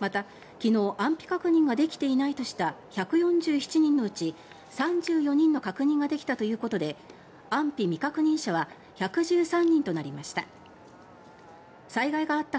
また、昨日安否確認ができていないとした１４７人のうち３４人の確認ができたということで安否未確認者は１１３人となりました。